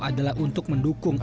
adalah untuk mendukung